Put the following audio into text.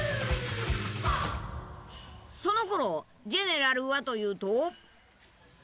そのころジェネラルはというと。